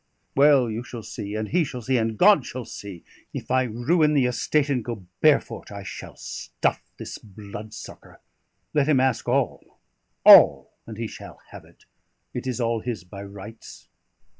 Well, you shall see, and he shall see, and God shall see. If I ruin the estate and go barefoot, I shall stuff this bloodsucker. Let him ask all all, and he shall have it! It is all his by rights.